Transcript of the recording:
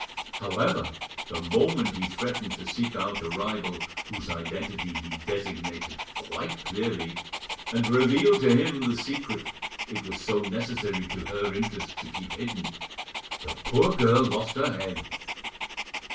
However, the moment he threatened to seek out a rival whose identity he designated quite clearly, and reveal to him the secret it was so necessary to her interests to keep hidden, the poor girl lost her head.